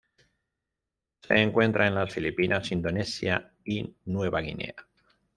Se encuentra en las Filipinas, Indonesia y Nueva Guinea.